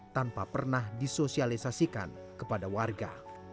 tanpa pernah disosialisasikan kepada warga